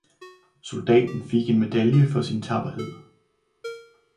Soldaten fik en medalje for sin tapperhed